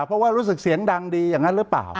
เพราะว่ารู้สึกเสียงดังดีอย่างนั้นหรือเปล่า